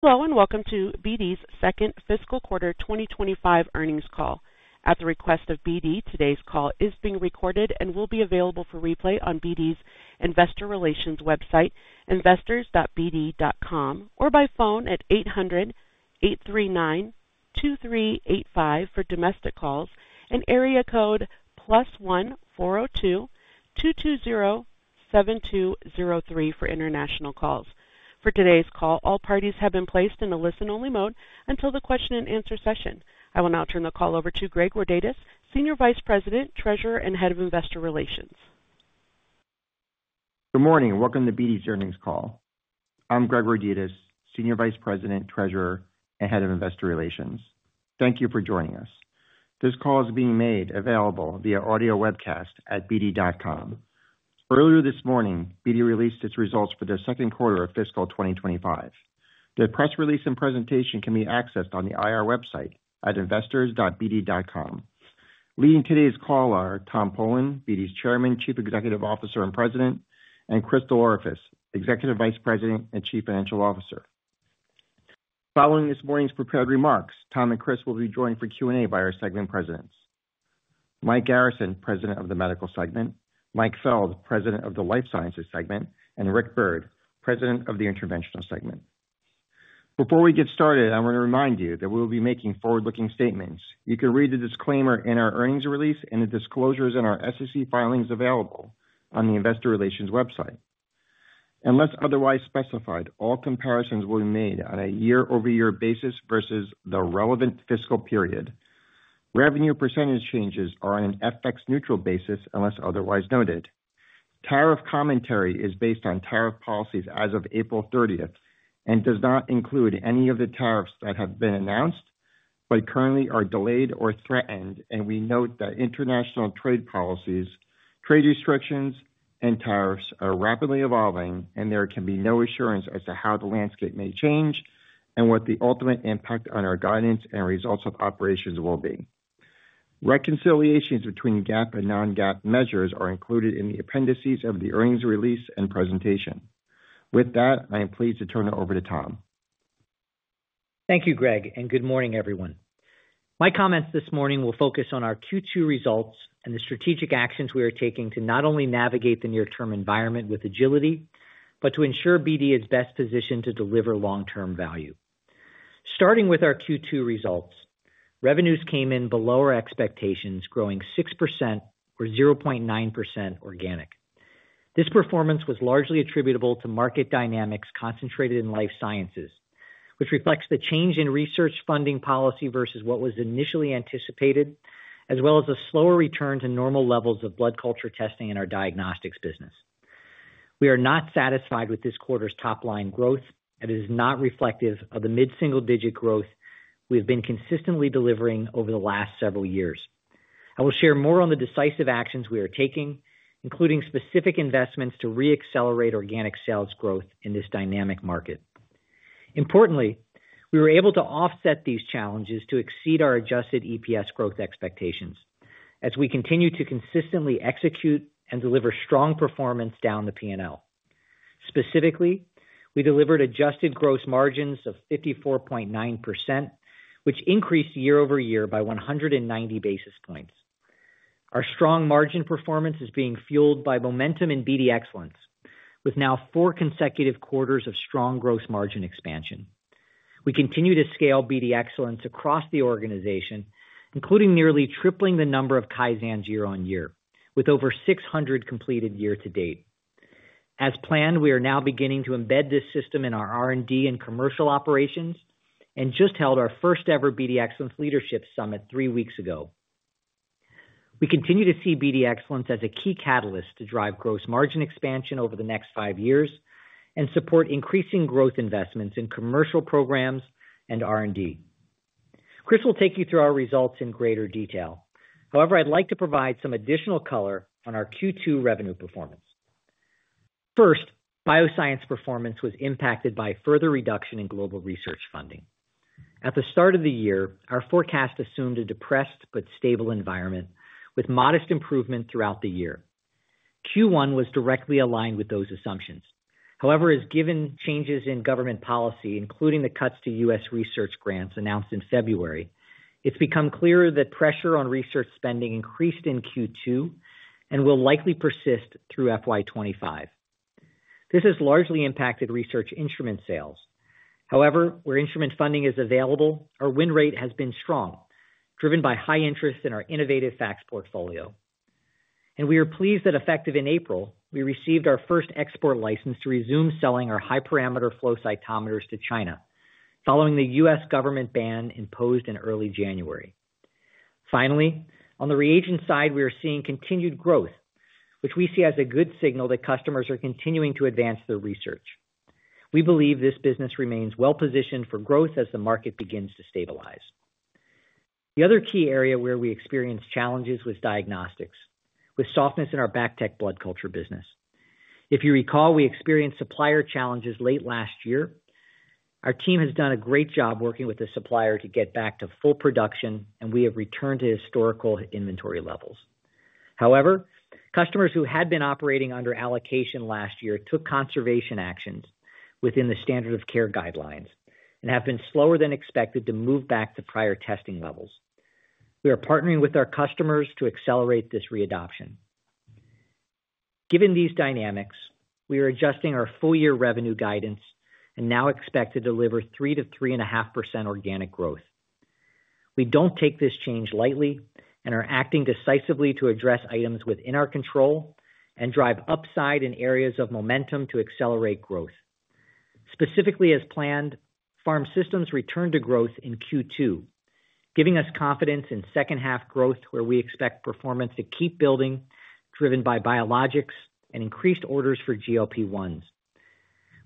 Hello, and welcome to BD's Second Fiscal Quarter 2025 Earnings Call. At the request of BD, today's call is being recorded and will be available for replay on BD's investor relations website, investors.bd.com, or by phone at 800-839-2385 for domestic calls and area code +1-402-220-7203 for international calls. For today's call, all parties have been placed in a listen-only mode until the question-and-answer session. I will now turn the call over to Greg Rodetis, Senior Vice President, Treasurer, and Head of Investor Relations. Good morning. Welcome to BD's Earnings Call. I'm Greg Rodetis, Senior Vice President, Treasurer, and Head of Investor Relations. Thank you for joining us. This call is being made available via audio webcast at bd.com. Earlier this morning, BD released its results for the Q2 of fiscal 2025. The press release and presentation can be accessed on the IR website at investors.bd.com. Leading today's call are Tom Polen, BD's Chairman, Chief Executive Officer, and President, and Chris DelOrefice, Executive Vice President and Chief Financial Officer. Following this morning's prepared remarks, Tom and Chris will be joined for Q&A by our segment presidents: Mike Garrison, President of the Medical Segment; Mike Feld, President of the Life Sciences Segment; and Rick Byrd, President of the Interventional Segment. Before we get started, I want to remind you that we will be making forward-looking statements. You can read the disclaimer in our earnings release and the disclosures in our SEC filings available on the investor relations website. Unless otherwise specified, all comparisons will be made on a year-over-year basis versus the relevant fiscal period. Revenue percentage changes are on an FX-neutral basis unless otherwise noted. Tariff commentary is based on tariff policies as of April 30 and does not include any of the tariffs that have been announced but currently are delayed or threatened, and we note that international trade policies, trade restrictions, and tariffs are rapidly evolving, and there can be no assurance as to how the landscape may change and what the ultimate impact on our guidance and results of operations will be. Reconciliations between GAAP and non-GAAP measures are included in the appendices of the earnings release and presentation. With that, I am pleased to turn it over to Tom. Thank you, Greg, and good morning, everyone. My comments this morning will focus on our Q2 results and the strategic actions we are taking to not only navigate the near-term environment with agility, but to ensure BD is best positioned to deliver long-term value. Starting with our Q2 results, revenues came in below our expectations, growing 6% or 0.9% organic. This performance was largely attributable to market dynamics concentrated in Life Sciences, which reflects the change in research funding policy versus what was initially anticipated, as well as a slower return to normal levels of blood culture testing in our diagnostics business. We are not satisfied with this quarter's top-line growth, and it is not reflective of the mid-single-digit growth we have been consistently delivering over the last several years. I will share more on the decisive actions we are taking, including specific investments to re-accelerate organic sales growth in this dynamic market. Importantly, we were able to offset these challenges to exceed our adjusted EPS growth expectations as we continue to consistently execute and deliver strong performance down the P&L. Specifically, we delivered adjusted gross margins of 54.9%, which increased year-over-year by 190 basis points. Our strong margin performance is being fueled by momentum in BD Excellence, with now four consecutive quarters of strong gross margin expansion. We continue to scale BD Excellence across the organization, including nearly tripling the number of Kaizen year-on-year, with over 600 completed year-to-date. As planned, we are now beginning to embed this system in our R&D and commercial operations and just held our first-ever BD Excellence Leadership Summit three weeks ago. We continue to see BD Excellence as a key catalyst to drive gross margin expansion over the next five years and support increasing growth investments in commercial programs and R&D. Chris will take you through our results in greater detail. However, I'd like to provide some additional color on our Q2 revenue performance. First, bioscience performance was impacted by further reduction in global research funding. At the start of the year, our forecast assumed a depressed but stable environment with modest improvement throughout the year. Q1 was directly aligned with those assumptions. However, as given changes in government policy, including the cuts to U.S. research grants announced in February, it's become clearer that pressure on research spending increased in Q2 and will likely persist through FY2025. This has largely impacted research instrument sales. However, where instrument funding is available, our win rate has been strong, driven by high interest in our innovative FACS portfolio. And we are pleased that effective in April, we received our first export license to resume selling our high-parameter flow cytometers to China, following the U.S. government ban imposed in early January. Finally, on the reagent side, we are seeing continued growth, which we see as a good signal that customers are continuing to advance their research. We believe this business remains well-positioned for growth as the market begins to stabilize. The other key area where we experienced challenges was diagnostics, with softness in our BACTEC blood culture business. If you recall, we experienced supplier challenges late last year. Our team has done a great job working with the supplier to get back to full production, and we have returned to historical inventory levels. However, customers who had been operating under allocation last year took conservation actions within the standard of care guidelines and have been slower than expected to move back to prior testing levels. We are partnering with our customers to accelerate this readoption. Given these dynamics, we are adjusting our full-year revenue guidance and now expect to deliver 3%-3.5% organic growth. We do not take this change lightly and are acting decisively to address items within our control and drive upside in areas of momentum to accelerate growth. Specifically, as planned, Pharma Systems returned to growth in Q2, giving us confidence in second-half growth where we expect performance to keep building, driven by biologics and increased orders for GLP-1s.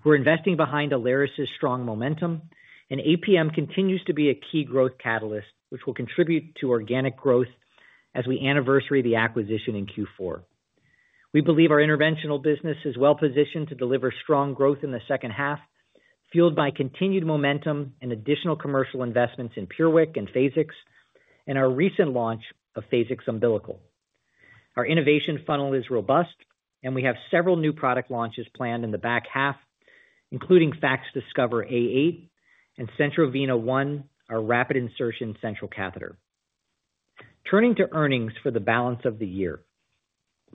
We are investing behind Alaris's strong momentum, and APM continues to be a key growth catalyst, which will contribute to organic growth as we anniversary the acquisition in Q4. We believe our Interventional business is well-positioned to deliver strong growth in the second half, fueled by continued momentum and additional commercial investments in PureWick and Phasix, and our recent launch of Phasix Umbilical. Our innovation funnel is robust, and we have several new product launches planned in the back half, including FACSDiscover A8 and CentroVena One, our rapid insertion central catheter. Turning to earnings for the balance of the year,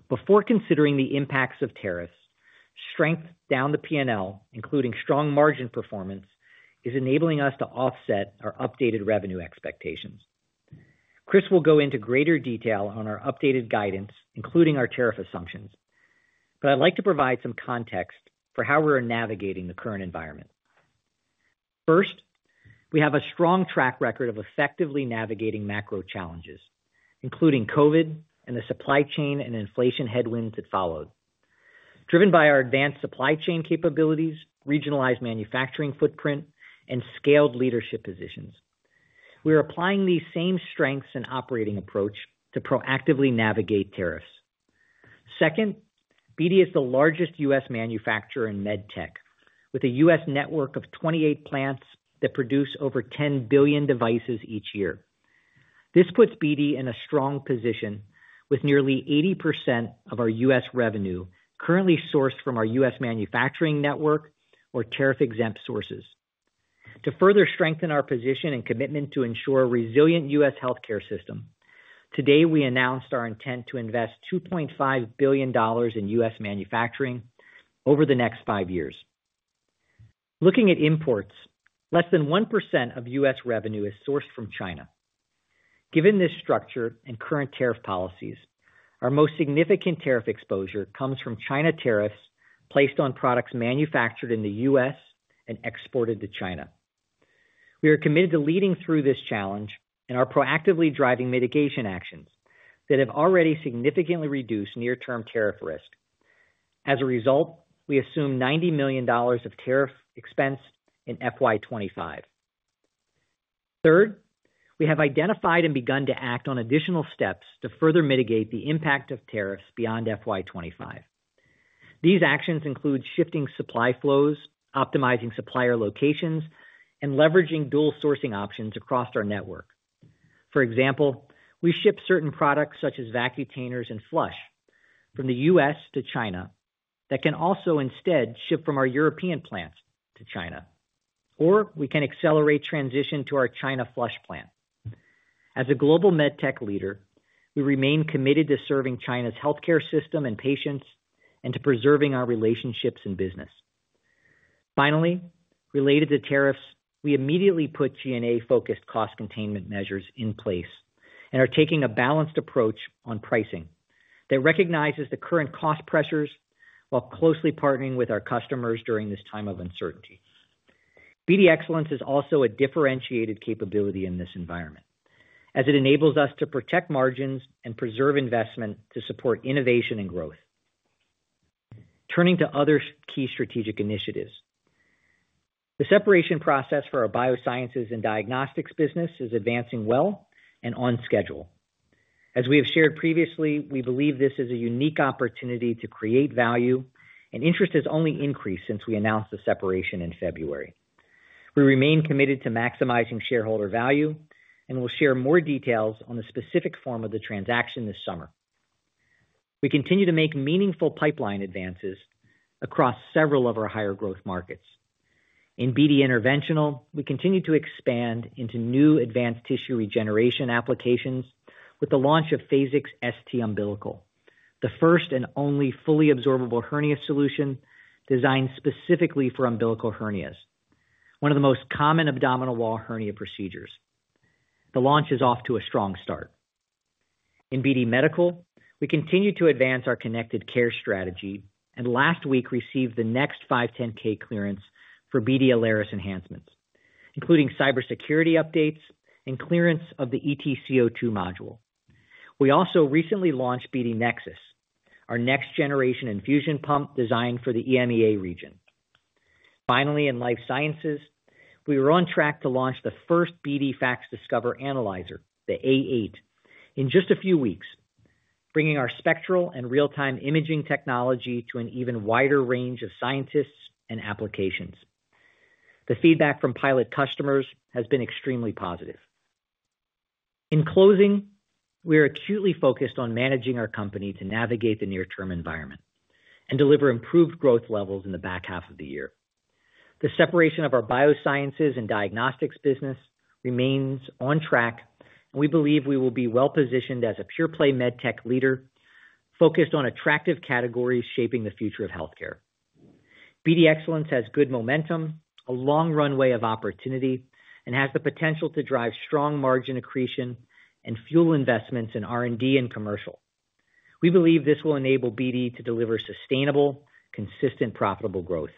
before considering the impacts of tariffs, strength down the P&L, including strong margin performance, is enabling us to offset our updated revenue expectations. Chris will go into greater detail on our updated guidance, including our tariff assumptions, but I'd like to provide some context for how we're navigating the current environment. First, we have a strong track record of effectively navigating macro challenges, including COVID and the supply chain and inflation headwinds that followed, driven by our advanced supply chain capabilities, regionalized manufacturing footprint, and scaled leadership positions. We are applying these same strengths and operating approach to proactively navigate tariffs. Second, BD is the largest U.S. manufacturer in MedTech, with a U.S. network of 28 plants that produce over 10 billion devices each year. This puts BD in a strong position, with nearly 80% of our U.S. revenue currently sourced from our U.S. manufacturing network or tariff-exempt sources. To further strengthen our position and commitment to ensure a resilient U.S. healthcare system, today we announced our intent to invest $2.5 billion in U.S. manufacturing over the next five years. Looking at imports, less than 1% of U.S. revenue is sourced from China. Given this structure and current tariff policies, our most significant tariff exposure comes from China tariffs placed on products manufactured in the U.S. and exported to China. We are committed to leading through this challenge and are proactively driving mitigation actions that have already significantly reduced near-term tariff risk. As a result, we assume $90 million of tariff expense in FY25. Third, we have identified and begun to act on additional steps to further mitigate the impact of tariffs beyond FY25. These actions include shifting supply flows, optimizing supplier locations, and leveraging dual sourcing options across our network. For example, we ship certain products such as BD Vacutainer and flush from the U.S. to China that can also instead ship from our European plants to China, or we can accelerate transition to our China flush plant. As a global MedTech leader, we remain committed to serving China's healthcare system and patients and to preserving our relationships in business. Finally, related to tariffs, we immediately put G&A focused cost containment measures in place and are taking a balanced approach on pricing that recognizes the current cost pressures while closely partnering with our customers during this time of uncertainty. BD Excellence is also a differentiated capability in this environment, as it enables us to protect margins and preserve investment to support innovation and growth. Turning to other key strategic initiatives, the separation process for our Biosciences and diagnostics business is advancing well and on schedule. As we have shared previously, we believe this is a unique opportunity to create value, and interest has only increased since we announced the separation in February. We remain committed to maximizing shareholder value and will share more details on the specific form of the transaction this summer. We continue to make meaningful pipeline advances across several of our higher growth markets. In BD Interventional, we continue to expand into new advanced tissue regeneration applications with the launch of Phasix ST Umbilical, the first and only fully absorbable hernia solution designed specifically for umbilical hernias, one of the most common abdominal wall hernia procedures. The launch is off to a strong start. In BD Medical, we continue to advance our connected care strategy and last week received the next 510(k) clearance for BD Alaris enhancements, including cybersecurity updates and clearance of the ETCO2 module. We also recently launched BD Nexus, our next-generation infusion pump designed for the EMEA region. Finally, in Life Sciences, we were on track to launch the first BD FACSDiscover analyzer, the A8, in just a few weeks, bringing our spectral and real-time imaging technology to an even wider range of scientists and applications. The feedback from pilot customers has been extremely positive. In closing, we are acutely focused on managing our company to navigate the near-term environment and deliver improved growth levels in the back half of the year. The separation of our biosciences and diagnostics business remains on track, we believe we will be well-positioned as a pure-play MedTech leader focused on attractive categories shaping the future of healthcare. BD Excellence has good momentum, a long runway of opportunity, and has the potential to drive strong margin accretion and fuel investments in R&D and commercial. We believe this will enable BD to deliver sustainable, consistent, profitable growth.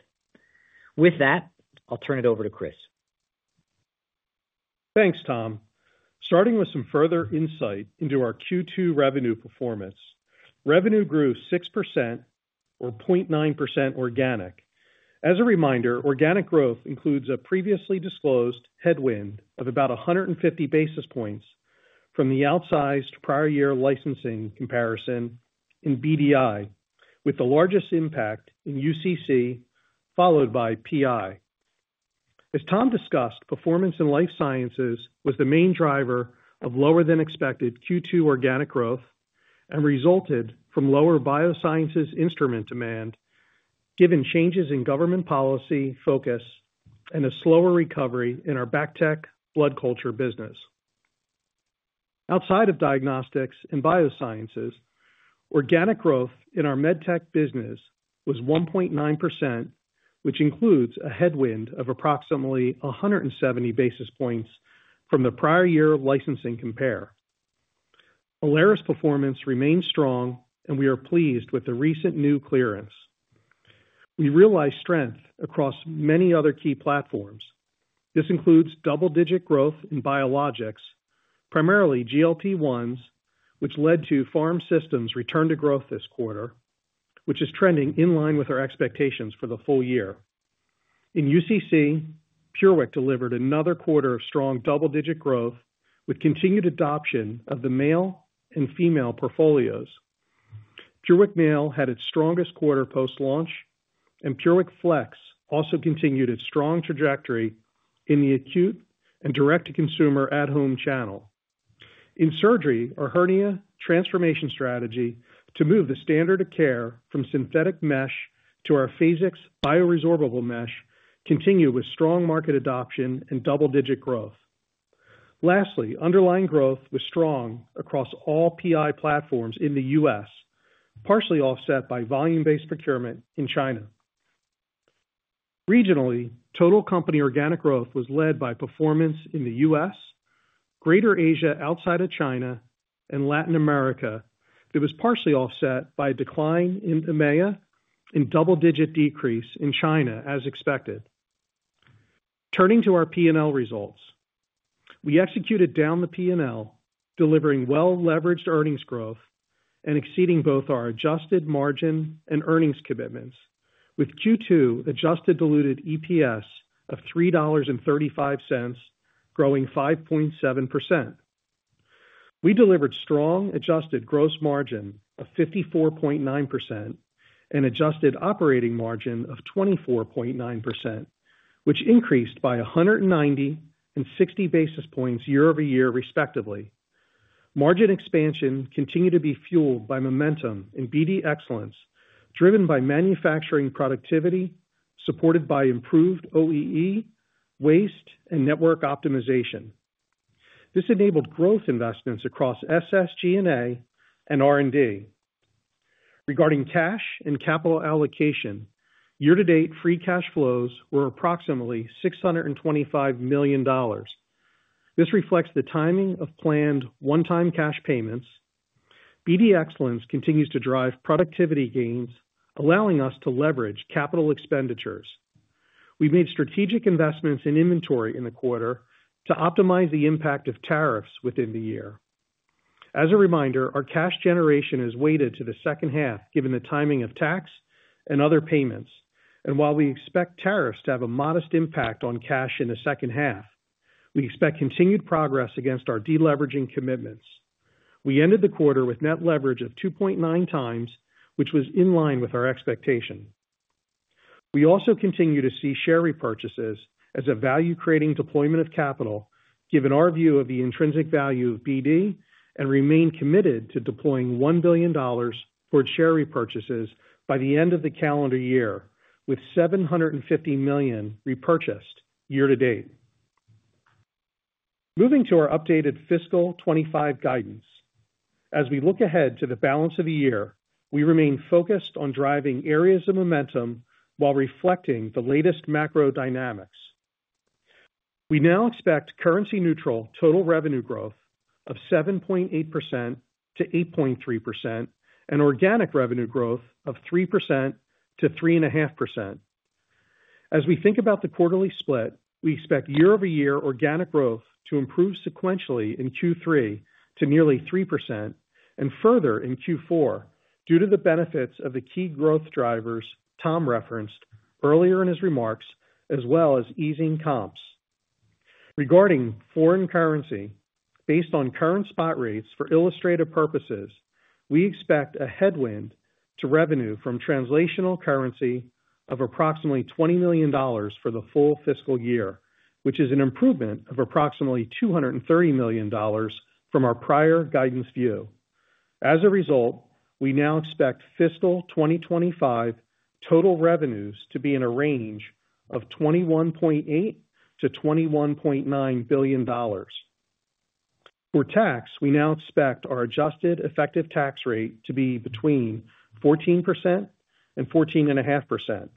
With that, I'll turn it over to Chris. Thanks, Tom. Starting with some further insight into our Q2 revenue performance, revenue grew 6% or 0.9% organic. As a reminder, organic growth includes a previously disclosed headwind of about 150 basis points from the outsized prior year licensing comparison in BDI, with the largest impact in UCC followed by PI. As Tom discussed, performance in Life Sciences was the main driver of lower-than-expected Q2 organic growth and resulted from lower biosciences instrument demand, given changes in government policy focus and a slower recovery in our BACTEC blood culture business. Outside of diagnostics and biosciences, organic growth in our MedTech business was 1.9%, which includes a headwind of approximately 170 basis points from the prior year licensing compare. Alaris performance remains strong, and we are pleased with the recent new clearance. We realize strength across many other key platforms. This includes double-digit growth in biologics, primarily GLP-1s, which led to Pharma Systems return to growth this quarter, which is trending in line with our expectations for the full year. In UCC, PureWick delivered another quarter of strong double-digit growth with continued adoption of the male and female portfolios. PureWick Male had its strongest quarter post-launch, and PureWick Flex also continued its strong trajectory in the acute and direct-to-consumer at-home channel. In surgery, our hernia transformation strategy to move the standard of care from synthetic mesh to our Phasix bioresorbable mesh continued with strong market adoption and double-digit growth. Lastly, underlying growth was strong across all PI platforms in the U.S., partially offset by volume-based procurement in China. Regionally, total company organic growth was led by performance in the U.S., Greater Asia outside of China, and Latin America. It was partially offset by a decline in EMEA and double-digit decrease in China, as expected. Turning to our P&L results, we executed down the P&L, delivering well-leveraged earnings growth and exceeding both our adjusted margin and earnings commitments, with Q2 adjusted diluted EPS of $3.35, growing 5.7%. We delivered strong adjusted gross margin of 54.9% and adjusted operating margin of 24.9%, which increased by 190 and 60 basis points year-over-year, respectively. Margin expansion continued to be fueled by momentum in BD Excellence, driven by manufacturing productivity, supported by improved OEE, waste, and network optimization. This enabled growth investments across SSG&A and R&D. Regarding cash and capital allocation, year-to-date free cash flows were approximately $625 million. This reflects the timing of planned one-time cash payments. BD Excellence continues to drive productivity gains, allowing us to leverage capital expenditures. We made strategic investments in inventory in the quarter to optimize the impact of tariffs within the year. As a reminder, our cash generation is weighted to the second half, given the timing of tax and other payments, and while we expect tariffs to have a modest impact on cash in the second half, we expect continued progress against our deleveraging commitments. We ended the quarter with net leverage of 2.9 times, which was in line with our expectation. We also continue to see share repurchases as a value-creating deployment of capital, given our view of the intrinsic value of BD, and remain committed to deploying $1 billion towards share repurchases by the end of the calendar year, with $750 million repurchased year-to-date. Moving to our updated fiscal 2025 guidance, as we look ahead to the balance of the year, we remain focused on driving areas of momentum while reflecting the latest macro dynamics. We now expect currency-neutral total revenue growth of 7.8%-8.3% and organic revenue growth of 3%-3.5%. As we think about the quarterly split, we expect year-over-year organic growth to improve sequentially in Q3 to nearly 3% and further in Q4 due to the benefits of the key growth drivers Tom referenced earlier in his remarks, as well as easing comps. Regarding foreign currency, based on current spot rates for illustrative purposes, we expect a headwind to revenue from translational currency of approximately $20 million for the full fiscal year, which is an improvement of approximately $230 million from our prior guidance view. As a result, we now expect fiscal 2025 total revenues to be in a range of $21.8 billion-$21.9 billion. For tax, we now expect our adjusted effective tax rate to be between 14% and 14.5%.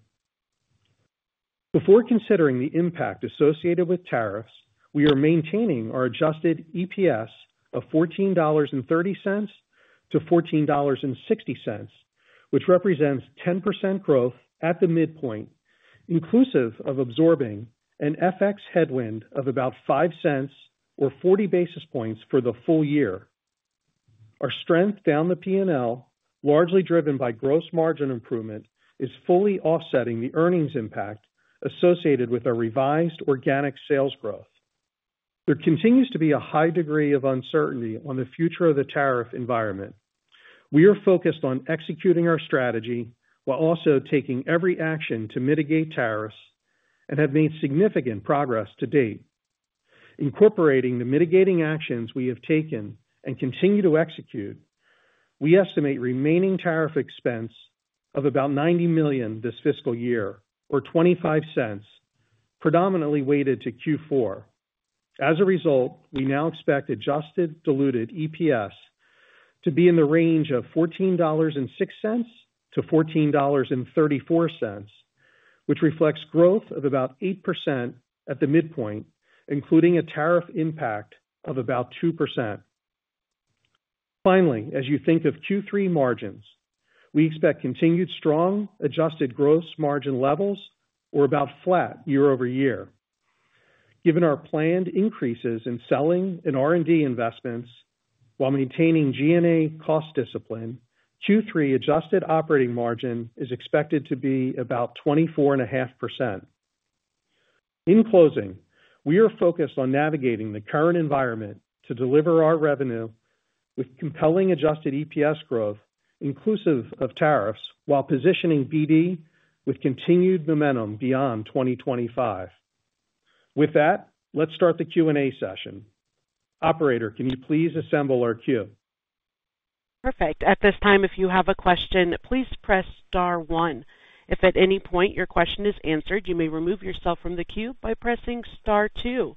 Before considering the impact associated with tariffs, we are maintaining our adjusted EPS of $14.30-$14.60, which represents 10% growth at the midpoint, inclusive of absorbing an FX headwind of about $0.05 or 40 basis points for the full year. Our strength down the P&L, largely driven by gross margin improvement, is fully offsetting the earnings impact associated with our revised organic sales growth. There continues to be a high degree of uncertainty on the future of the tariff environment. We are focused on executing our strategy while also taking every action to mitigate tariffs and have made significant progress to date. Incorporating the mitigating actions we have taken and continue to execute, we estimate remaining tariff expense of about $90 million this fiscal year or $0.25, predominantly weighted to Q4. As a result, we now expect adjusted diluted EPS to be in the range of $14.06-$14.34, which reflects growth of about 8% at the midpoint, including a tariff impact of about 2%. Finally, as you think of Q3 margins, we expect continued strong Adjusted Gross Margin levels or about flat year-over-year. Given our planned increases in selling and R&D investments while maintaining G&A cost discipline, Q3 adjusted operating margin is expected to be about 24.5%. In closing, we are focused on navigating the current environment to deliver our revenue with compelling Adjusted EPS growth, inclusive of tariffs, while positioning BD with continued momentum beyond 2025. With that, let's start the Q&A session. Operator, can you please assemble our queue? Perfect. At this time, if you have a question, please press Star one. If at any point your question is answered, you may remove yourself from the queue by pressing Star two.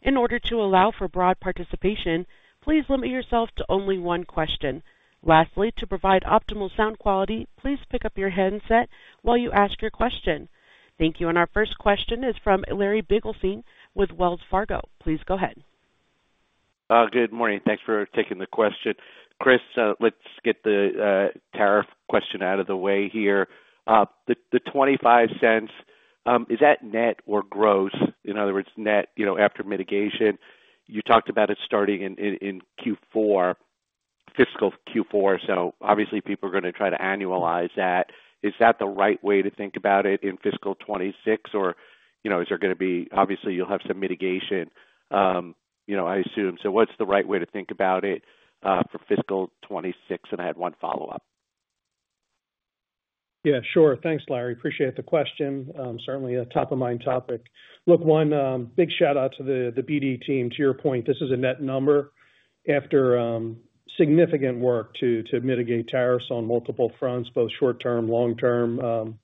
In order to allow for broad participation, please limit yourself to only one question. Lastly, to provide optimal sound quality, please pick up your headset while you ask your question. Thank you. Our first question is from Larry Biegelsen with Wells Fargo. Please go ahead. Good morning. Thanks for taking the question. Chris, let's get the tariff question out of the way here. The 25 cents, is that net or gross? In other words, net you know after mitigation? You talked about it starting in Q4, fiscal Q4, so obviously people are going to try to annualize that. Is that the right way to think about it in fiscal 2026, or you know is there going to be obviously you'll have some mitigation, you know I assume. So what's the right way to think about it for fiscal 2026? And I had one follow-up. Yeah, sure. Thanks, Larry. Appreciate the question. Certainly a top-of-mind topic. Look, one, big shout-out to the BD team. To your point, this is a net number after significant work to mitigate tariffs on multiple fronts, both short-term, long-term.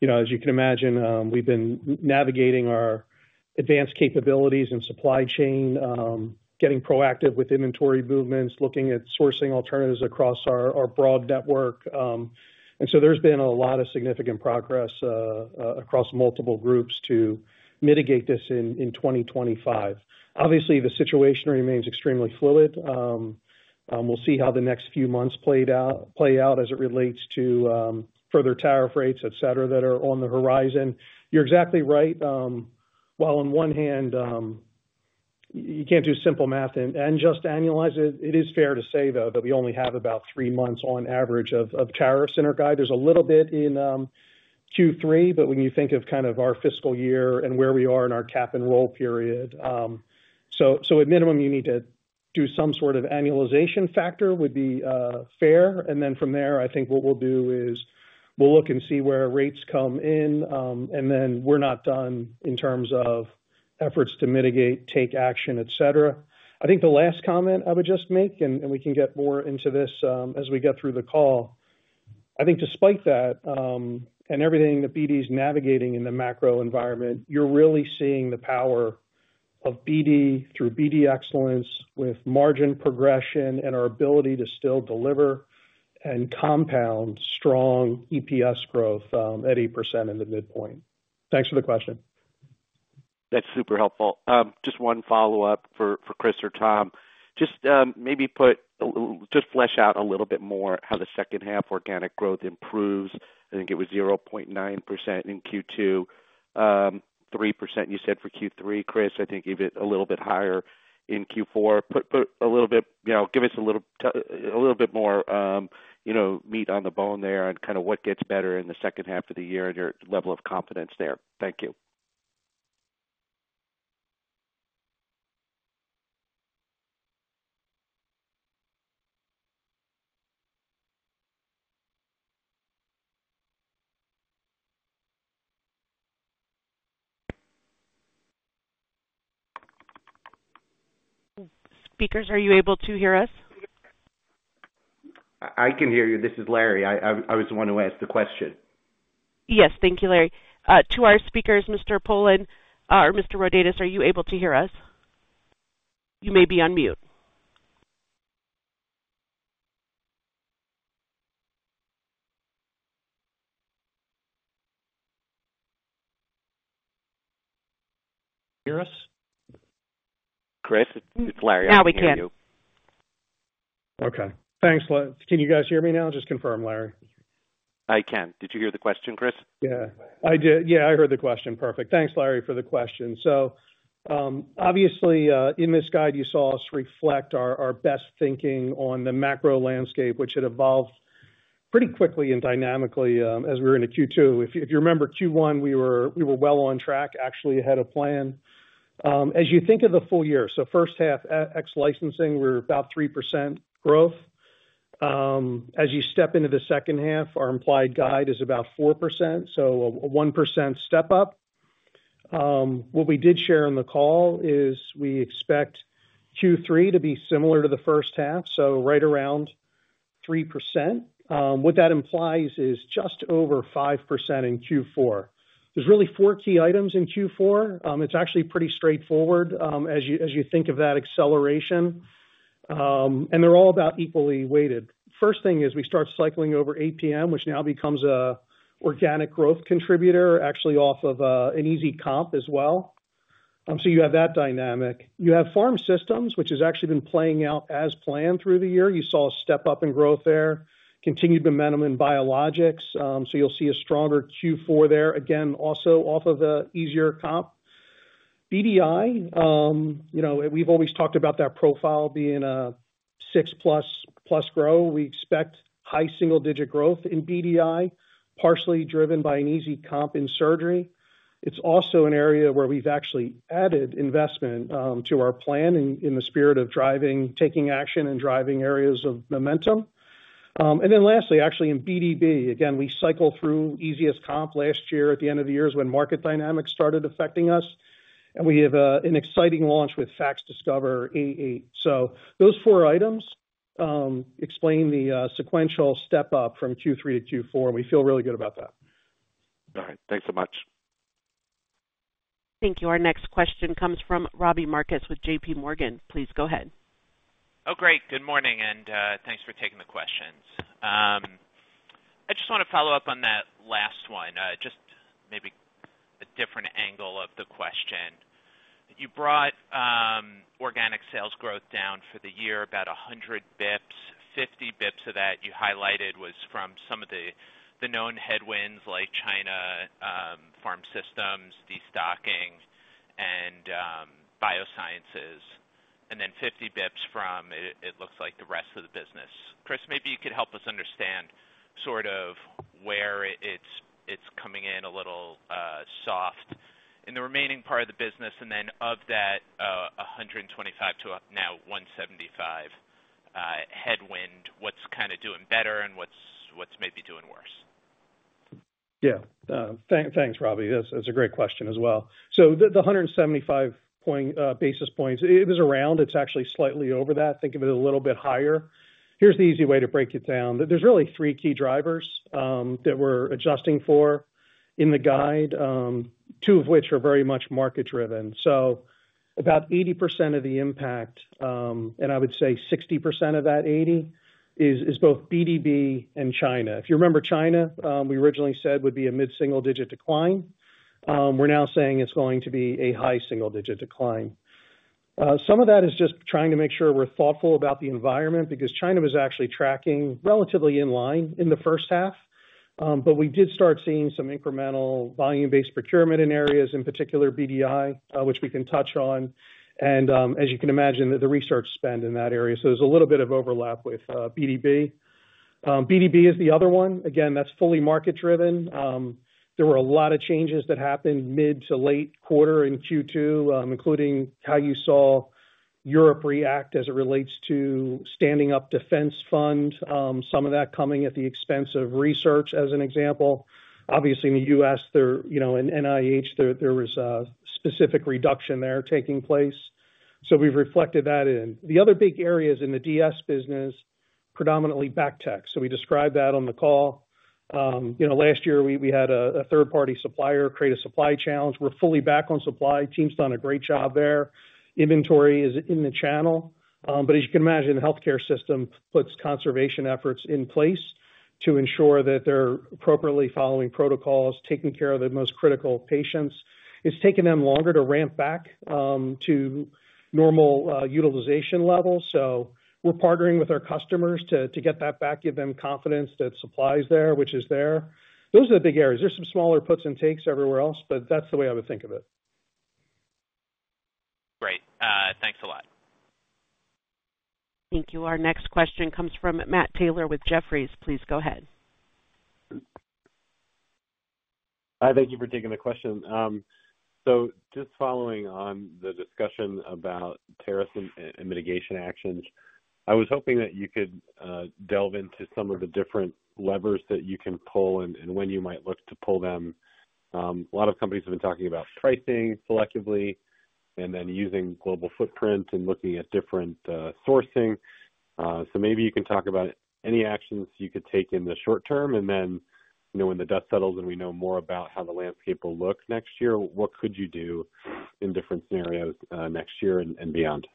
You know as you can imagine, we've been navigating our advanced capabilities and supply chain, getting proactive with inventory movements, looking at sourcing alternatives across our broad network. And so there has been a lot of significant progress across multiple groups to mitigate this in 2025. Obviously, the situation remains extremely fluid. And we'll see how the next few months played out play out as it relates to further tariff rates, et cetera, that are on the horizon. You're exactly right. While on one hand, you can't do simple math and just annualize it, it is fair to say, though, that we only have about three months on average of tariffs in our guide. There's a little bit in Q3, but when you think of kind of our fiscal year and where we are in our Cap-and-Roll period, so at minimum, you need to do some sort of annualization factor would be fair. And then from there, I think what we'll do is we'll look and see where rates come in, and we're not done in terms of efforts to mitigate, take action, et cetera. I think the last comment I would just make, and we can get more into this as we get through the call, I think despite that and everything that BD is navigating in the macro environment, you're really seeing the power of BD through BD Excellence with margin progression and our ability to still deliver and compound strong EPS growth at 8% in the midpoint. Thanks for the question. That's super helpful. Just one follow-up for Chris or Tom. Just maybe flesh out a little bit more how the second half organic growth improves. I think it was 0.9% in Q2, 3% you said for Q3, Chris. I think give it a little bit higher in Q4. Put a little bit, you know give us a little bit more you know meat on the bone there and kind of what gets better in the second half of the year and your level of confidence there. Thank you. Speakers, are you able to hear us? I can hear you. This is Larry. I was the one who asked the question. Yes, thank you, Larry. To our speakers, Mr. Polen or Mr. Rodetis, are you able to hear us? You may be on mute. Hear us? Chris, it's Larry. Now we can. Okay. Thanks. Can you guys hear me now? Just confirm, Larry. I can. Did you hear the question, Chris? Yeah, I did. Yeah, I heard the question. Perfect. Thanks, Larry, for the question. So obviously, in this guide, you saw us reflect our best thinking on the macro landscape, which had evolved pretty quickly and dynamically as we were in Q2. If you remember Q1, we were well on track, actually ahead of plan. As you think of the full year, so first half, ex-licensing, we're about 3% growth. As you step into the second half, our implied guide is about 4%, so a 1% step up. What we did share in the call is we expect Q3 to be similar to the first half, so right around 3%. What that implies is just over 5% in Q4. There are really four key items in Q4. It's actually pretty straightforward as you think of that acceleration. And they are all about equally weighted. First thing is we start cycling over APM, which now becomes an organic growth contributor, actually off of an easy comp as well. And so you have that dynamic. You have Pharma Systems, which has actually been playing out as planned through the year. You saw a step up in growth there, continued momentum in biologics. So you'll see a stronger Q4 there, again, also off of the easier comp. BDI, you know we've always talked about that profile being a six-plus growth. We expect high single-digit growth in BDI, partially driven by an easy comp in surgery. It's also an area where we've actually added investment to our plan in the spirit of driving taking action and driving areas of momentum. And then lastly, actually in BDB, again, we cycle through easiest comp last year at the end of the year is when market dynamics started affecting us. And we have an exciting launch with FACSDiscover A8. So those four items explain the sequential step up from Q3 to Q4. We feel really good about that. All right. Thanks so much. Thank you. Our next question comes from Robbie Marcus with J.P. Morgan. Please go ahead. Oh, great. Good morning, and thanks for taking the questions. I just want to follow up on that last one, just maybe a different angle of the question. You brought organic sales growth down for the year about 100 bps. 50 bps of that you highlighted was from some of the known headwinds like China, farm systems, destocking, and biosciences. And then 50 bps from, it looks like, the rest of the business. Chris, maybe you could help us understand sort of where it's coming in a little soft in the remaining part of the business. And then of that 125 to now 175 headwind, what's kind of doing better and what's maybe doing worse? Yeah. Thanks Thanks, Robbie. That's a great question as well. So the 175 points basis points, it was around. It's actually slightly over that. Think of it a little bit higher. Here's the easy way to break it down. There are really three key drivers that we're adjusting for in the guide, two of which are very much market-driven. So about 80% of the impact, and I would say 60% of that 80, is both BDB and China. If you remember, China, we originally said would be a mid-single-digit decline. We're now saying it's going to be a high single-digit decline. Some of that is just trying to make sure we're thoughtful about the environment because China was actually tracking relatively in line in the first half. But we did start seeing some incremental volume-based procurement in areas, in particular BDI, which we can touch on. And as you can imagine, the research spend in that area. So there is a little bit of overlap with BDB. BDB is the other one. Again, that is fully market-driven. There were a lot of changes that happened mid to late quarter in Q2, including how you saw Europe react as it relates to standing up defense funds, some of that coming at the expense of research, as an example. Obviously, in the U.S., you know in NIH, there was a specific reduction there taking place. We have reflected that in. The other big areas in the DS business, predominantly BACTEC. So we described that on the call. You know last year, we had a third-party supplier create a supply challenge. We are fully back on supply. Team's done a great job there. Inventory is in the channel. But as you can imagine, healthcare system puts conservation efforts in place to ensure that they're appropriately following protocols, taking care of the most critical patients. It's taken them longer to ramp back to normal utilization levels. So we're partnering with our customers to get that back, give them confidence that supply is there, which is there. Those are the big areas. Just some smaller puts and takes everywhere else, but that's the way I would think of it. Great. Thanks a lot. Thank you. Our next question comes from Matt Taylor with Jefferies. Please go ahead. Hi. Thank you for taking the question. So just following on the discussion about tariffs and mitigation actions, I was hoping that you could delve into some of the different levers that you can pull and when you might look to pull them. A lot of companies have been talking about pricing selectively and then using global footprint and looking at different sourcing. So maybe you can talk about any actions you could take in the short term. And then when you know the dust settles then we know more about how the landscape will look next year, what could you do in different scenarios next year and beyond?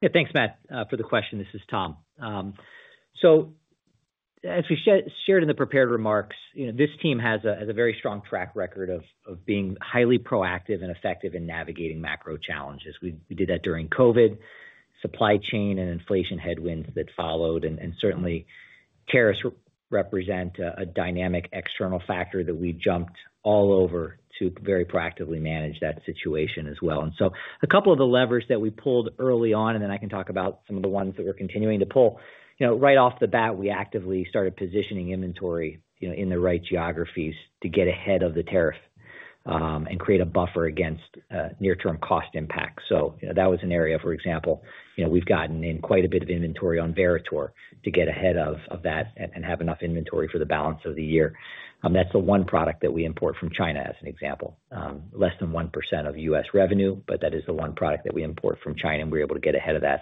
Yeah. Thanks, Matt, for the question. This is Tom. So as we shared in the prepared remarks, this team has a very strong track record of being highly proactive and effective in navigating macro challenges. We did that during COVID, supply chain and inflation headwinds that followed. And certainly tariffs represent a dynamic external factor that we've jumped all over to very proactively manage that situation as well. And so a couple of the levers that we pulled early on, and then I can talk about some of the ones that we're continuing to pull. You know right off the bat, we actively started positioning inventory you know in the right geographies to get ahead of the tariff and create a buffer against near-term cost impacts. So that was an area, for example, we've gotten in quite a bit of inventory on Veritor to get ahead of that and have enough inventory for the balance of the year. That's the one product that we import from China, as an example. Less than 1% of U.S. revenue, but that is the one product that we import from China, and we're able to get ahead of that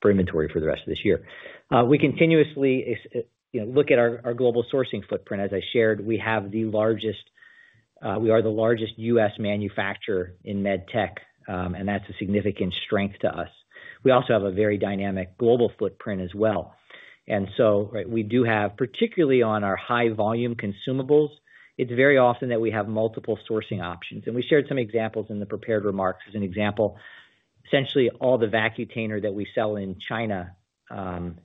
for inventory for the rest of this year. We continuously you know look at our global sourcing footprint. As I shared, we have the largest we are the largest U.S. manufacturer in MedTech, and that's a significant strength to us. We also have a very dynamic global footprint as well. And so we do have, particularly on our high-volume consumables, it's very often that we have multiple sourcing options. And we shared some examples in the prepared remarks as an example. Essentially, all the Vacutainer that we sell in China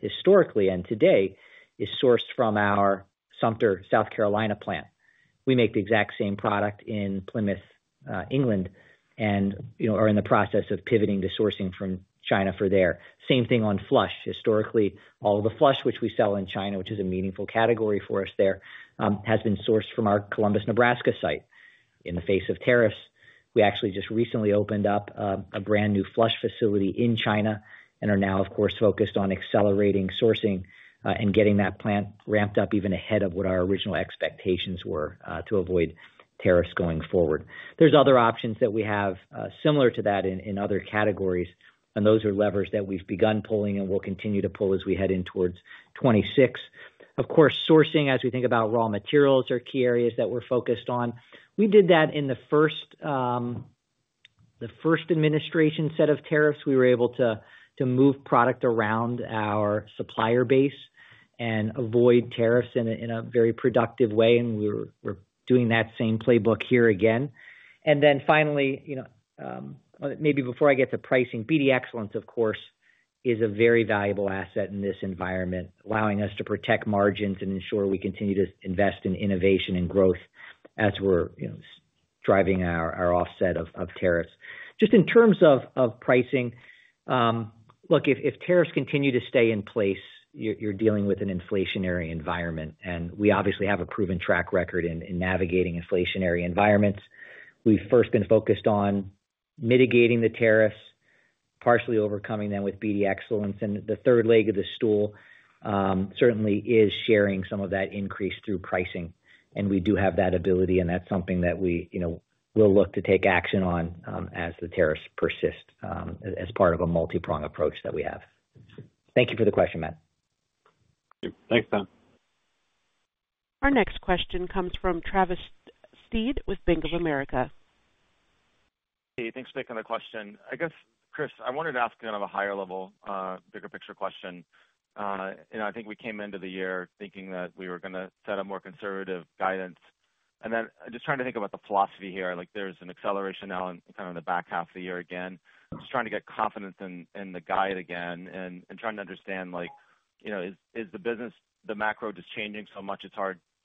historically and today is sourced from our Sumter, South Carolina plant. We make the exact same product in Plymouth, England, and are in the process of pivoting to sourcing from China for there. Same thing on flush. Historically, all of the flush, which we sell in China, which is a meaningful category for us there, has been sourced from our Columbus, Nebraska site. In the face of tariffs, we actually just recently opened up a brand new flush facility in China and are now, of course, focused on accelerating sourcing and getting that plant ramped up even ahead of what our original expectations were to avoid tariffs going forward. There are other options that we have similar to that in other categories, and those are levers that we have begun pulling and will continue to pull as we head in towards 2026. Of course, sourcing, as we think about raw materials, are key areas that we're focused on. We did that in the first administration set of tariffs. We were able to move product around our supplier base and avoid tariffs in a very productive way. We are doing that same playbook here again. And then finally you know, maybe before I get to pricing, BD Excellence, of course, is a very valuable asset in this environment, allowing us to protect margins and ensure we continue to invest in innovation and growth as we're driving our offset of tariffs. Just in terms of pricing, look, if tariffs continue to stay in place, you're dealing with an inflationary environment. And we obviously have a proven track record in navigating inflationary environments. We've first been focused on mitigating the tariffs, partially overcoming them with BD Excellence. And the third leg of the stool certainly is sharing some of that increase through pricing. And we do have that ability, and that's something that we will look to take action on as the tariffs persist as part of a multi-prong approach that we have. Thank you for the question, Matt. Thanks, [Tom]. Our next question comes from Travis Steed with Bank of America. Hey, thanks for taking the question. I guess, Chris, I wanted to ask kind of a higher level, bigger picture question. And I think we came into the year thinking that we were going to set up more conservative guidance. And then I am just trying to think about the philosophy here. There is an acceleration now in kind of the back half of the year again. Just trying to get confidence in the guide again and trying to understand, like you know is the business, the macro just changing so much it is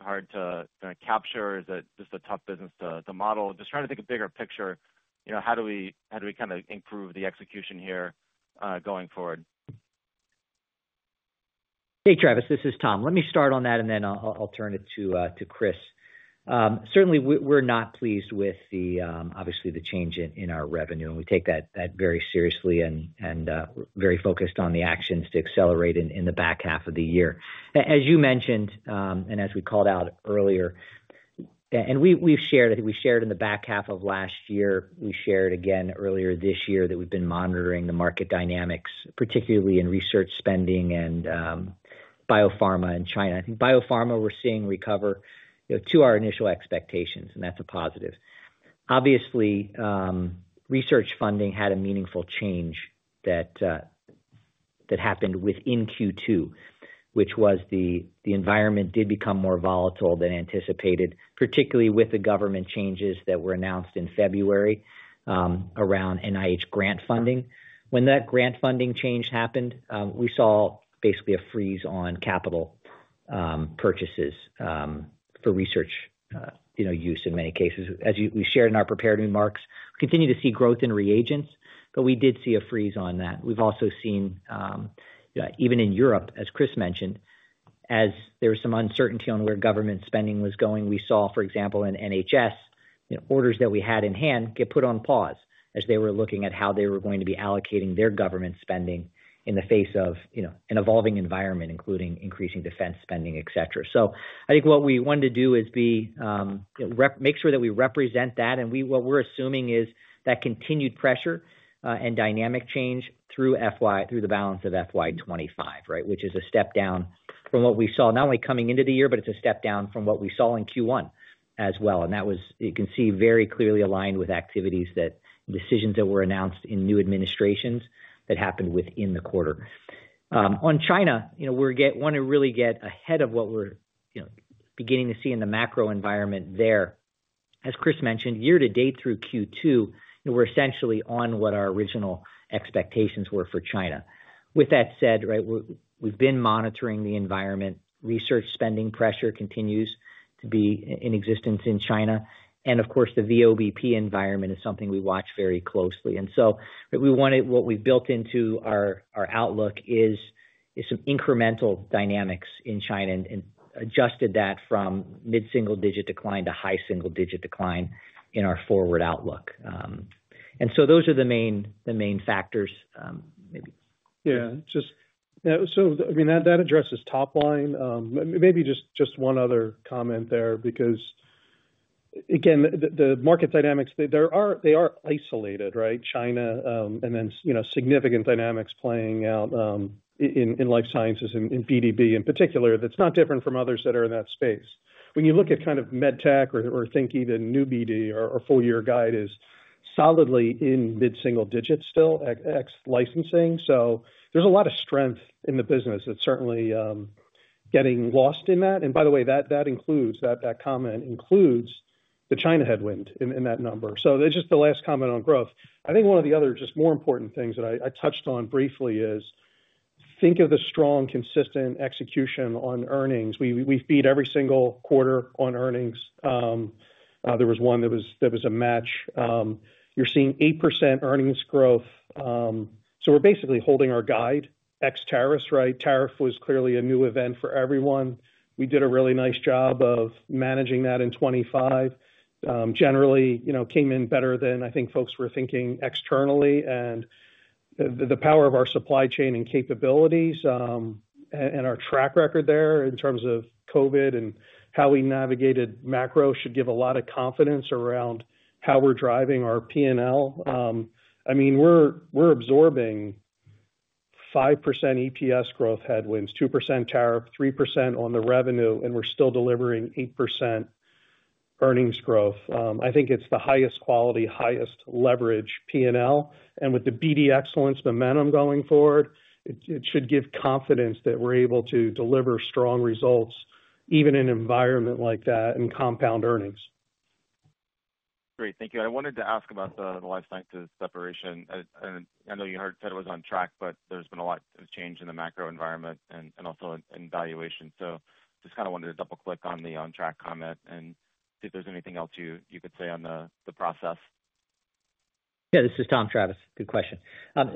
hard to capture? Is it just a tough business to model? Just trying to think of bigger picture. You know how do we kind of improve the execution here going forward? Hey, Travis, this is Tom. Let me start on that, and then I'll turn it to Chris. Certainly, we're not pleased with, obviously, the change in our revenue. We take that very seriously and are very focused on the actions to accelerate in the back half of the year. As you mentioned, and as we called out earlier, and we've shared, we shared in the back half of last year, we shared again earlier this year that we've been monitoring the market dynamics, particularly in research spending and biopharma in China. Biopharma we're seeing recover to our initial expectations, and that's a positive. Obviously, research funding had a meaningful change that that happened within Q2, which was the environment did become more volatile than anticipated, particularly with the government changes that were announced in February around NIH grant funding. When that grant funding change happened, we saw basically a freeze on capital purchases for research use in many cases. As we shared in our prepared remarks, we continue to see growth in reagents, but we did see a freeze on that. We've also seen, even in Europe, as Chris mentioned, as there was some uncertainty on where government spending was going, we saw, for example, in NHS, you know orders that we had in hand get put on pause as they were looking at how they were going to be allocating their government spending in the face of you know an evolving environment, including increasing defense spending, et cetera. So I think what we wanted to do is make sure that we represent that. And we're assuming is that continued pressure and dynamic change through FY through the balance of FY2025, right, which is a step down from what we saw not only coming into the year, but it's a step down from what we saw in Q1 as well. And that was, you can see, very clearly aligned with activities that decisions that were announced in new administrations that happened within the quarter. On China, you know we want to really get ahead of what we're you know beginning to see in the macro environment there. As Chris mentioned, year to date through Q2, we're essentially on what our original expectations were for China. With that said, we've been monitoring the environment. Research spending pressure continues to be in existence in China. And of course, the VBP environment is something we watch very closely. And so, what we have built into our outlook is is incremental dynamics in China and adjusted that from mid-single-digit decline to high single-digit decline in our forward outlook. And so those are the main main factors, maybe. Yeah. So I mean, that addresses top line. Maybe just one other comment there because, again, the market dynamics, they are isolated, right? China and then significant dynamics playing out in Life Sciences and BDB in particular that's not different from others that are in that space. When you look at kind of MedTech or think even new BD or full-year guide is solidly in mid-single-digit still at ex-licensing. So there's a lot of strength in the business that's certainly getting lost in that. And by the way, that that includes the comment includes the China headwind in that number. So that is just the last comment on growth. I think one of the other just more important things that I touched on briefly is think of the strong, consistent execution on earnings. We've beat every single quarter on earnings. There was one that was a match. You're seeing 8% earnings growth. So we're basically holding our guide ex-tariffs, right? Tariff was clearly a new event for everyone. We did a really nice job of managing that in 2025. Generally, you know came in better than I think folks were thinking externally. And the power of our supply chain and capabilities and our track record there in terms of COVID and how we navigated macro should give a lot of confidence around how we're driving our P&L. I mean, we're absorbing 5% EPS growth headwinds, 2% tariff, 3% on the revenue, and we're still delivering 8% earnings growth. I think it's the highest quality, highest leverage P&L. And with the BD Excellence momentum going forward, it should give confidence that we're able to deliver strong results even in an environment like that and compound earnings. Great. Thank you. I wanted to ask about the Life Sciences separation. I know you said it was on track, but there's been a lot of change in the macro environment and also in valuation. So just kind of wanted to double-click on the on-track comment and see if there's anything else you could say on the process. Yeah. This is Tom, Travis. Good question.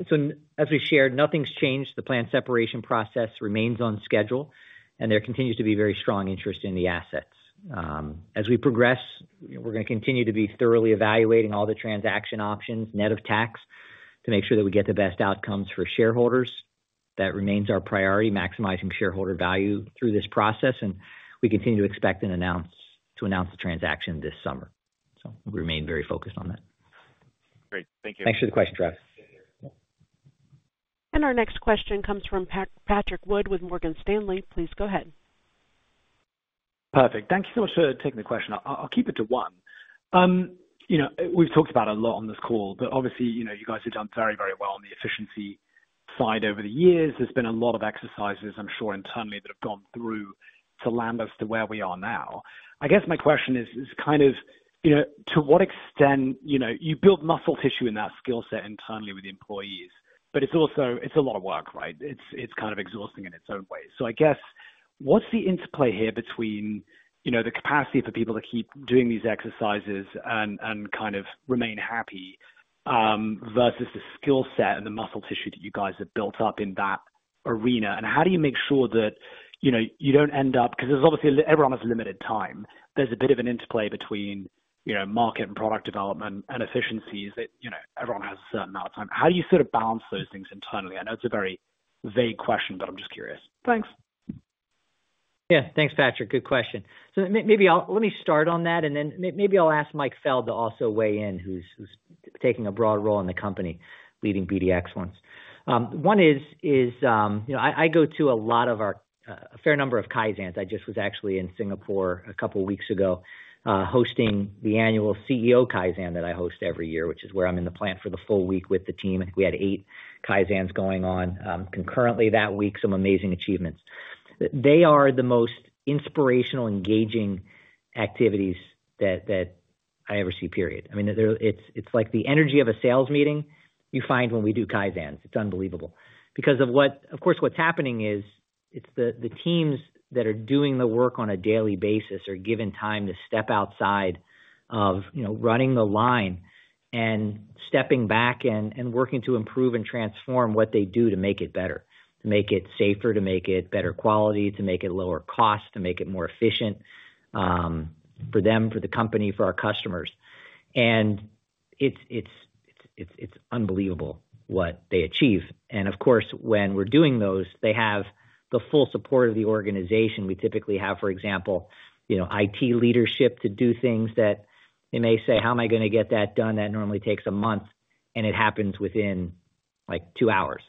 So as we shared, nothing's changed. The planned separation process remains on schedule, and there continues to be very strong interest in the assets. As we progress, we're going to continue to be thoroughly evaluating all the transaction options, net of tax, to make sure that we get the best outcomes for shareholders. That remains our priority, maximizing shareholder value through this process. We continue to expect and announce the transaction this summer. We remain very focused on that. Great. Thank you. Thanks for the question, Travis. Our next question comes from Patrick Wood with Morgan Stanley. Please go ahead. Perfect. Thank you so much for taking the question. I'll keep it to one. You know we've talked about a lot on this call, but obviously, you guys have done very, very well on the efficiency side over the years. There's been a lot of exercises, I'm sure, internally that have gone through to land us to where we are now. I guess my question is kind of you know to what extent you know you build muscle tissue in that skill set internally with the employees, but it's also it's a lot of work, right? It's it's kind of exhausting in its own way. So I guess what's the interplay here between you know the capacity for people to keep doing these exercises and kind of remain happy versus the skill set and the muscle tissue that you guys have built up in that arena? And how do you make sure that you do not end up because there is obviously everyone has limited time. There is a bit of an interplay between you know market and product development and efficiencies that you know everyone has a certain amount of time. How do you sort of balance those things internally? I know it is a very vague question, but I am just curious. Thanks. Yeah. Thanks, Patrick. Good question. Maybe let me start on that, and then I'll ask Mike Feld to also weigh in, who's taking a broad role in the company leading BD Excellence. One is is you know I go to a lot of a fair number of Kaizens. I just was actually in Singapore a couple of weeks ago hosting the annual CEO Kaizen that I host every year, which is where I'm in the plant for the full week with the team. We had eight Kaizens going on concurrently that week, some amazing achievements. They are the most inspirational, engaging activities that I ever see, period. I mean, it's like the energy of a sales meeting you find when we do Kaizens. It's unbelievable. Because of course, what's happening is it's the teams that are doing the work on a daily basis are given time to step outside of you know running the line and stepping back and working to improve and transform what they do to make it better, to make it safer, to make it better quality, to make it lower cost, to make it more efficient for them, for the company, for our customers. And it's it's unbelievable what they achieve. And of course, when we're doing those, they have the full support of the organization. We typically have, for example, you know IT leadership to do things that they may say, "How am I going to get that done?" That normally takes a month, and it happens within like two hours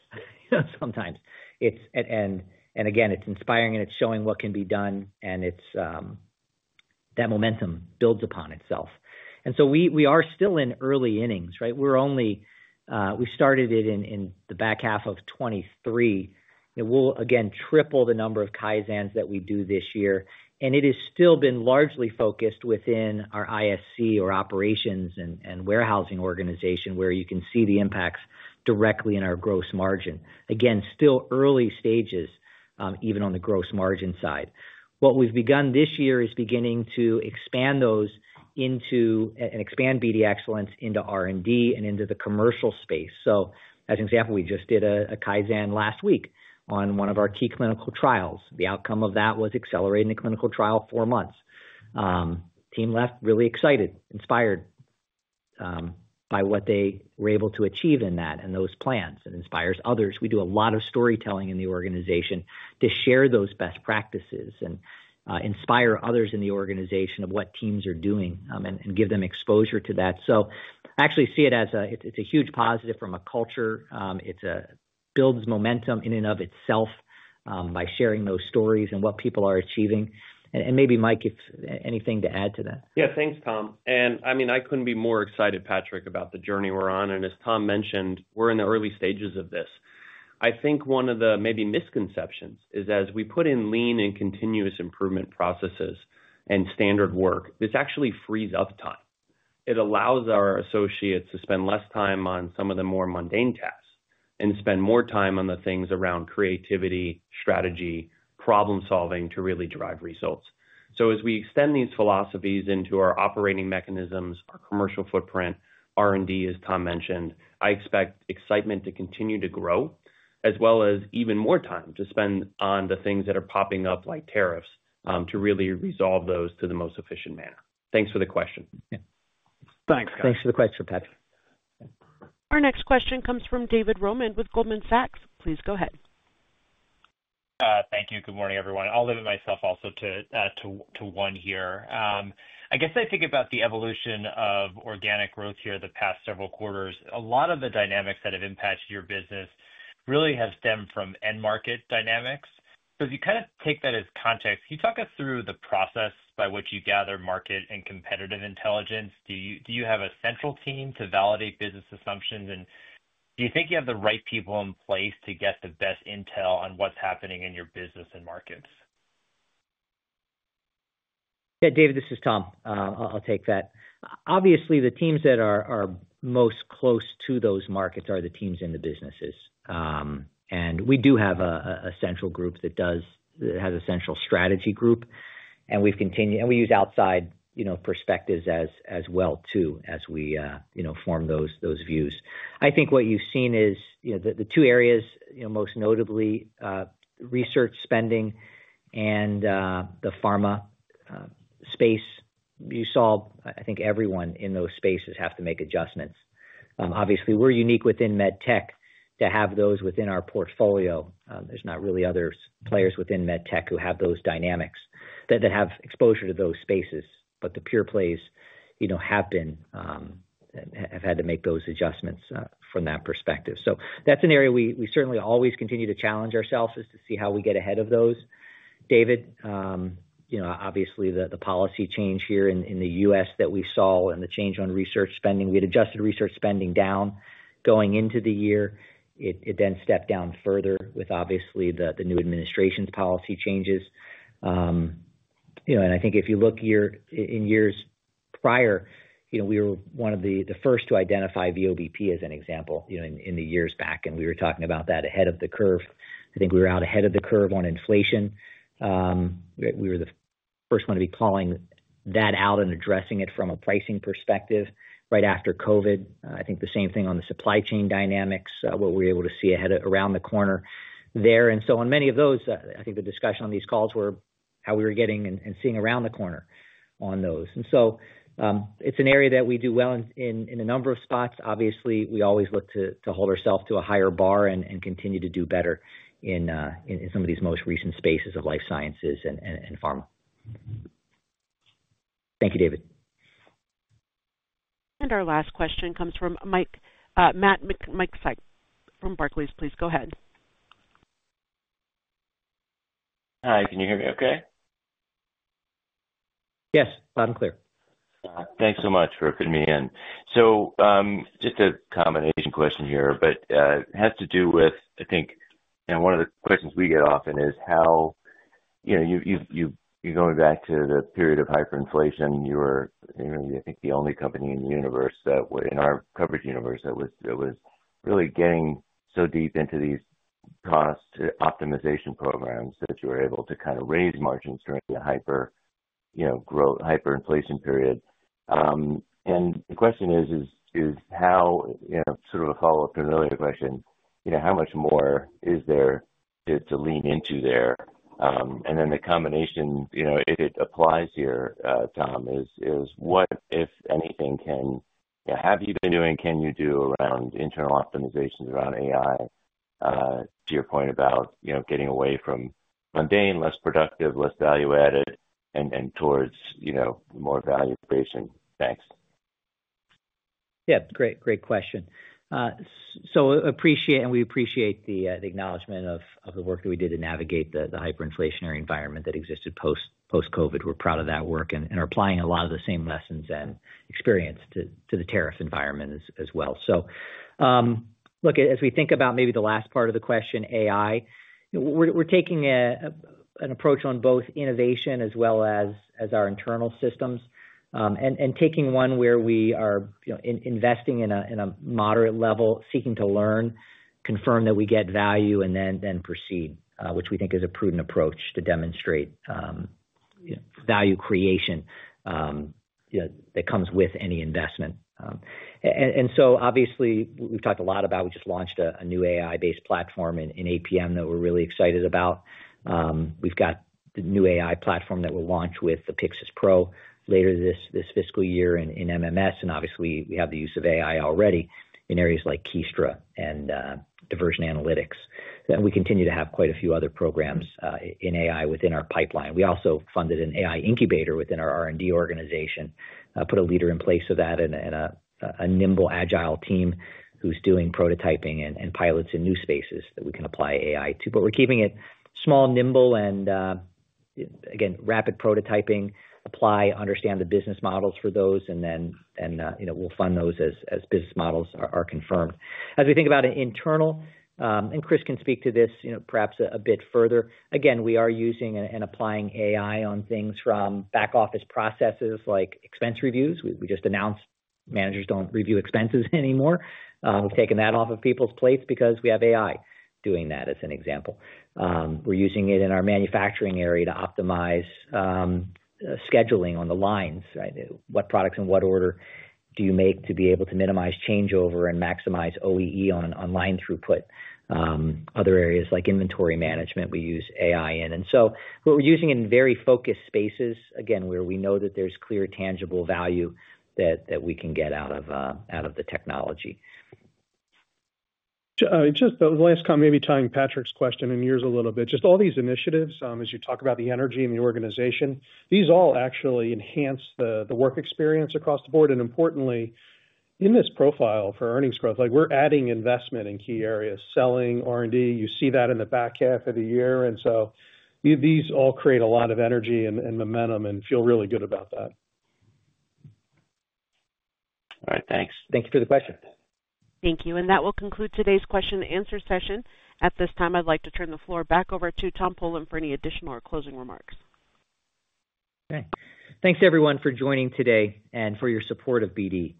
sometimes. It's and again, it's inspiring, and it's showing what can be done, and it's that momentum builds upon itself. We are still in early innings, right? We only started it in the back half of 2023. We'll, again, triple the number of Kaizens that we do this year. And It is still been largely focused within our ISC or operations and warehousing organization where you can see the impacts directly in our gross margin. Again, still early stages, even on the gross margin side. What we've begun this year is beginning to expand those into and expand BD Excellence into R&D and into the commercial space. So as example, we just did a Kaizen last week on one of our key clinical trials. The outcome of that was accelerating the clinical trial four months. Team left really excited, inspired by what they were able to achieve in that and those plans. It inspires others. We do a lot of storytelling in the organization to share those best practices and inspire others in the organization of what teams are doing and give them exposure to that. So actually see it as a huge positive from a culture. It builds momentum in and of itself by sharing those stories and what people are achieving. And maybe, Mike, if anything to add to that. Yeah. Thanks, Tom. I mean, I couldn't be more excited, Patrick, about the journey we're on. And as Tom mentioned, we're in the early stages of this. I think one of the maybe misconceptions is as we put in lean and continuous improvement processes and standard work, this actually frees up time. It allows our associates to spend less time on some of the more mundane tasks and spend more time on the things around creativity, strategy, problem-solving to really drive results. So as we extend these philosophies into our operating mechanisms, our commercial footprint, R&D, as Tom mentioned, I expect excitement to continue to grow as well as even more time to spend on the things that are popping up like tariffs to really resolve those to the most efficient manner. Thanks for the question. Thanks. Thanks for the question, Patrick. Our next question comes from David Roman with Goldman Sachs. Please go ahead. Thank you. Good morning, everyone. I'll limit myself also to one here. I guess I think about the evolution of organic growth here the past several quarters. A lot of the dynamics that have impacted your business really have stemmed from end-market dynamics. So you kind of take that as context, can you talk us through the process by which you gather market and competitive intelligence? Do you have a central team to validate business assumptions? Do you think you have the right people in place to get the best intel on what's happening in your business and markets? Yeah. David, this is Tom. I'll take that. Obviously, the teams that are most close to those markets are the teams in the businesses. And we do have a central group that has a central strategy group. And we continue we use outside you know perspectives as well too as we form those views. I think what you've seen is the two areas most notably, research spending and the pharma space. You saw, I think, everyone in those spaces have to make adjustments. Obviously, we're unique within MedTech to have those within our portfolio. There's not really other players within MedTech who have those dynamics that have exposure to those spaces. But the pure plays you know happen have had to make those adjustments from that perspective. So that's an area we certainly always continue to challenge ourselves is to see how we get ahead of those. David, you know obviously, the policy change here in the U.S. that we saw and the change on research spending. We had adjusted research spending down going into the year. It then stepped down further with, obviously, the new administration's policy changes. You know I think if you look in years prior, you know we were one of the first to identify VBP as an example in the years back. And we were talking about that ahead of the curve. I think we were out ahead of the curve on inflation. We were the first one to be calling that out and addressing it from a pricing perspective right after COVID. And I think the same thing on the supply chain dynamics, what we're able to see headed around the corner there. On many of those, I think the discussion on these calls were how we were getting and seeing around the corner on those. So It's an area that we do well in a number of spots. Obviously, we always look to hold ourselves to a higher bar and continue to do better in some of these most recent spaces of Life Sciences and pharma. Thank you, David. Our last question comes from Matt Miksic from Barclays. Please go ahead. Hi. Can you hear me okay? Yes. Loud and clear. Thanks so much for putting me in. Just a combination question here, but it has to do with, I think, one of the questions we get often is how you're going back to the period of hyperinflation. You were, I think, the only company in the universe that was in our coverage universe that was really getting so deep into these cost optimization programs that you were able to kind of raise margins during the hyperinflation period. The question is, sort of a follow-up to an earlier question, how much more is there to lean into there? The combination, if it applies here, Tom, is what, if anything, have you been doing, can you do around internal optimizations around AI to your point about getting away from mundane, less productive, less value-added, and towards more value creation? Thanks. Yeah. Great. Great question. So appreciate we appreciate the acknowledgment of the work that we did to navigate the hyperinflationary environment that existed post-COVID. We're proud of that work and are applying a lot of the same lessons and experience to the tariff environment as well. So look, as we think about maybe the last part of the question, AI, we're taking an approach on both innovation as well as our internal systems and taking one where we are you know investing in a moderate level, seeking to learn, confirm that we get value, and then proceed, which we think is a prudent approach to demonstrate you know value creation that comes with any investment. And so obviously, we've talked a lot about we just launched a new AI-based platform in APM that we're really excited about. We've got the new AI platform that will launch with the Pyxis Pro later this fiscal year in MMS. And obviously, we have the use of AI already in areas you know like Kiestra and Diversion Analytics. And we continue to have quite a few other programs in AI within our pipeline. We also funded an AI incubator within our R&D organization, put a leader in place of that and a nimble agile team who's doing prototyping and pilots in new spaces that we can apply AI to. We're keeping it small, nimble, and again, rapid prototyping, apply, understand the business models for those, and then we'll fund those as business models are confirmed. As we think about internal, and Chris can speak to this perhaps a bit further. Again, we are using and applying AI on things from back-office processes like expense reviews. We just announced managers do not review expenses anymore. We have taken that off of people's plates because we have AI doing that as an example. We are using it in our manufacturing area to optimize scheduling on the lines, right? What products and what order do you make to be able to minimize changeover and maximize OEE on line throughput? Other areas like inventory management, we use AI in. And so we are using it in very focused spaces, again, where we know that there is clear tangible value that we can get out of the technology. Just the last comment, maybe tying Patrick's question and yours a little bit. Just all these initiatives, as you talk about the energy in the organization, these all actually enhance the work experience across the board. And importantly, in this profile for earnings growth, we're adding investment in key areas, selling, R&D. You see that in the back half of the year. And so these all create a lot of energy and momentum and feel really good about that. All right. Thanks. Thank you for the question. Thank you. And that will conclude today's question-and-answer session. At this time, I'd like to turn the floor back over to Tom Polen for any additional or closing remarks. Thanks. Thanks, everyone, for joining today and for your support of BD.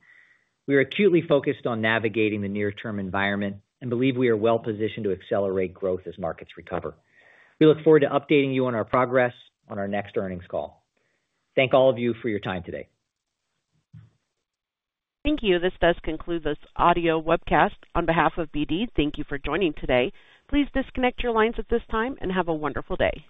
We are acutely focused on navigating the near-term environment and believe we are well-positioned to accelerate growth as markets recover. We look forward to updating you on our progress on our next earnings call. Thank all of you for your time today. Thank you. This does conclude this audio webcast on behalf of BD. Thank you for joining today. Please disconnect your lines at this time and have a wonderful day.